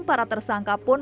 para tersangka pun